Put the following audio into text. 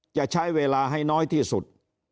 จะใช้เวลาให้น้อยที่สุด